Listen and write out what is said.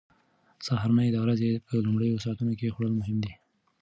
سهارنۍ د ورځې په لومړیو ساعتونو کې خوړل مهم دي.